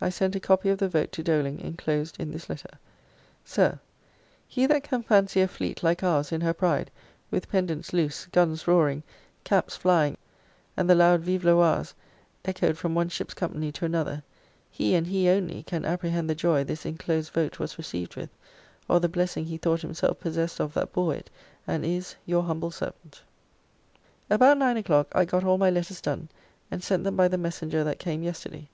I sent a copy of the vote to Doling, inclosed in this letter: "SIR, "He that can fancy a fleet (like ours) in her pride, with pendants loose, guns roaring, caps flying, and the loud 'Vive le Roys,' echoed from one ship's company to another, he, and he only, can apprehend the joy this inclosed vote was received with, or the blessing he thought himself possessed of that bore it, and is "Your humble servant." About nine o'clock I got all my letters done, and sent them by the messenger that came yesterday.